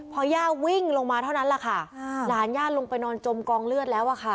พอย่าวิ่งลงมาเท่านั้นแหละค่ะหลานย่าลงไปนอนจมกองเลือดแล้วอะค่ะ